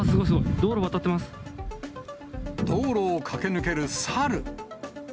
道路を道路を駆け抜けるサル。